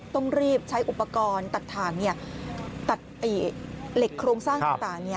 ต้องรีบใช้อุปกรณ์ตัดถ่างตัดเหล็กโครงสร้างต่าง